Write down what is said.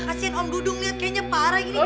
kasian om dudungnya kayaknya parah